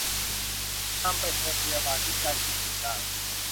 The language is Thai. นำไปโรงพยาบาลที่ใกล้ที่สุดได้